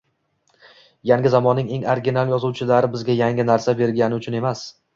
Yangi zamonning eng original yozuvchilari bizga yangi narsa bergani uchun emas